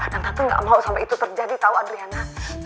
dan tante gak mau sampai itu terjadi tau adriana